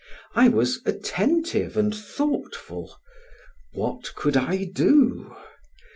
I was attentive and thoughtful; what could I do?